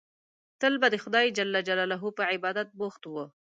تل به د خدای جل جلاله په عبادت بوخت وو.